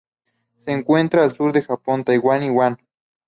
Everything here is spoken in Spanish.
Se encuentra al sur del Japón, Taiwán y Guam.